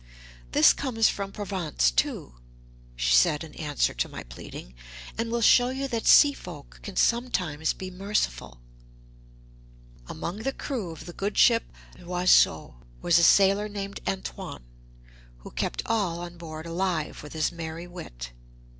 "This comes from Provence, too," she said in answer to my pleading, "and will show you that sea folk can sometimes be merciful." The Sailor and the Porpoise. "Among the crew of the good ship L'Oiseau, was a sailor named Antoine, who kept all on board alive with his merry wit.